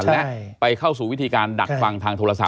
และไปเข้าสู่วิธีการดักฟังทางโทรศัพ